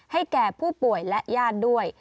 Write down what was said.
แก่ผู้ป่วยและญาติด้วย